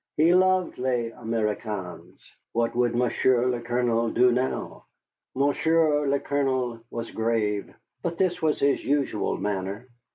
He loved les Américains. What would Monsieur le Colonel do now? Monsieur le Colonel was grave, but this was his usual manner.